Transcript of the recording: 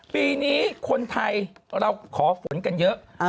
ปีนี้คนไทยเราขอฝนกันเยอะ